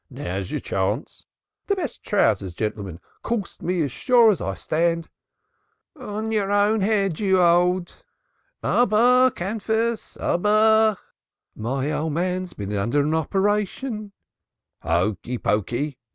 "Now's your chance " "The best trousers, gentlemen. Corst me as sure as I stand " "On your own head, you old " "Arbah Kanfus (four fringes)! Arbah " "My old man's been under an operation " "Hokey Pokey!